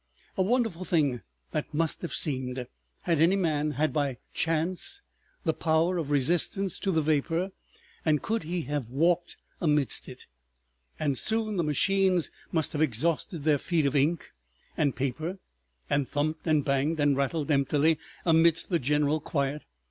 A wonderful thing that must have seemed, had any man had by chance the power of resistance to the vapor, and could he have walked amidst it. And soon the machines must have exhausted their feed of ink and paper, and thumped and banged and rattled emptily amidst the general quiet.